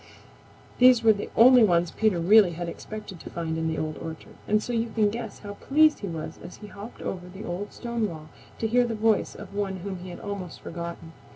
These were the only ones Peter really had expected to find in the Old Orchard, and so you can guess how pleased he was as he hopped over the old stone wall to hear the voice of one whom he had almost forgotten.